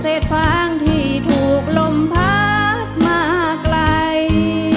ฟางที่ถูกลมพัดมาไกล